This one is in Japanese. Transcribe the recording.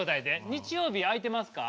日曜日空いてますか？